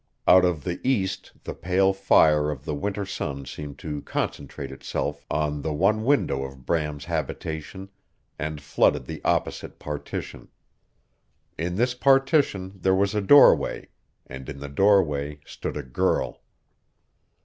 Out of the east the pale fire of the winter sun seemed to concentrate itself on the one window of Bram's habitation, and flooded the opposite partition. In this partition there was a doorway, and in the doorway stood a girl.